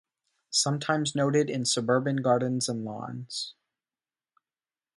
Sometimes noted in suburban gardens and lawns.